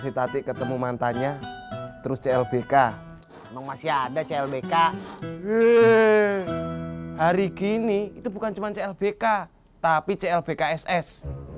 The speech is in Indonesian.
si tati ketemu mantannya terus clbk emang masih ada clbk hari gini itu bukan cuman clbk tapi clbkss